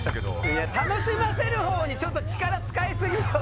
いや楽しませる方にちょっと力使いすぎよ。